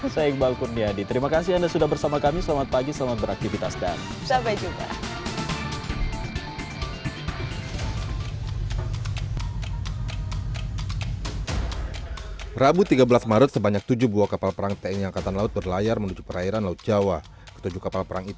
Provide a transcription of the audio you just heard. saya iqbal kurniadi terima kasih anda sudah bersama kami selamat pagi selamat beraktivitas dan sampai jumpa